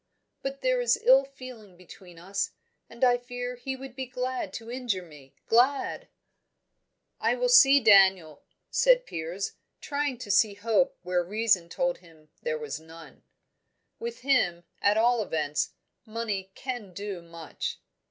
But there is ill feeling between us; and I fear he would be glad to injure me, glad!" "I will see Daniel," said Piers, trying to see hope where reason told him there was none. "With him, at all events, money can do much."